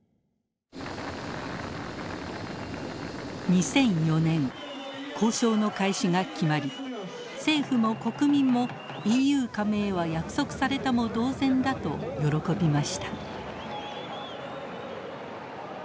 ２００４年交渉の開始が決まり政府も国民もＥＵ加盟は約束されたも同然だと喜びました。